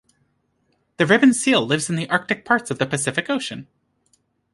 The ribbon seal lives in the Arctic parts of the Pacific Ocean.